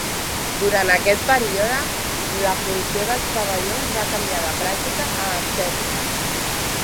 Durant aquest període la funció dels pavellons va canviar de pràctica a estètica.